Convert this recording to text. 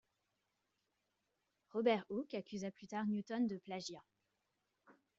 Robert Hooke accusa plus tard Newton de plagiat.